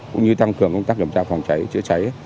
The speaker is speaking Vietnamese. cũng như tăng cường công tác kiểm tra phòng cháy chữa cháy